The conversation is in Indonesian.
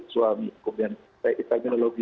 suami kemudian teknologi